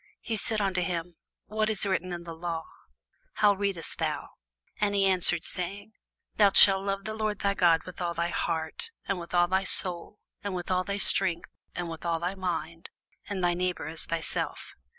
He said unto him, What is written in the law? how readest thou? And he answering said, Thou shalt love the Lord thy God with all thy heart, and with all thy soul, and with all thy strength, and with all thy mind; and thy neighbour as thyself.